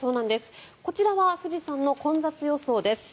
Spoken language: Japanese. こちらは富士山の混雑予想です。